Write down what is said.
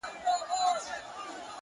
مسیحا چي مي اکسیر جو کړ ته نه وې،